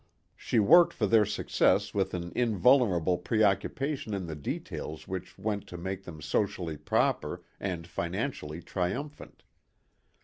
She worked for their success with an invulnerable preoccupation in the details which went to make them socially proper and financially triumphant.